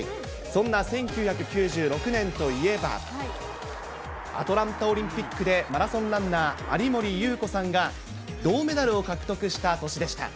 そんな１９９６年といえば、アトランタオリンピックでマラソンランナー、有森裕子さんが銅メダルを獲得した年でした。